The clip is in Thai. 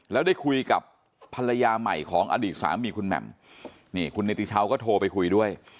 แล้วได้คุยกับภรรยาใหม่ของอดีตสามีคุณแหม่มนี่คุณเนติชาวก็โทรไปคุยด้วย